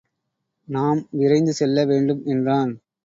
நாம் விரைந்து செல்ல வேண்டும் எனறான்.